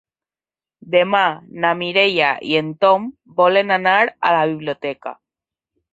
Demà na Mireia i en Tom volen anar a la biblioteca.